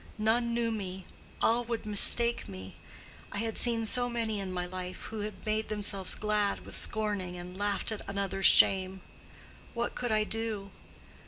None knew me; all would mistake me. I had seen so many in my life who made themselves glad with scorning, and laughed at another's shame. What could I do?